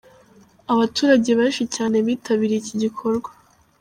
Abaturage benshi cyane bitabiriye iki gikorwa.